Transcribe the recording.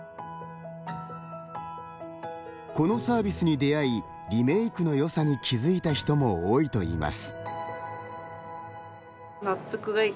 このサービスに出会いリメイクの良さに気付いた人も多いといいます。